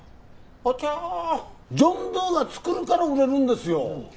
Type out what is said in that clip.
あちゃージョン・ドゥが作るから売れるんですよ